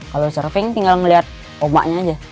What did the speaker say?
kalau surfing tinggal ngeliat omaknya aja